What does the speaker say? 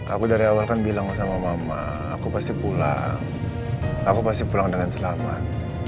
aku dari awal kan bilang sama mama aku pasti pulang aku pasti pulang dengan selamat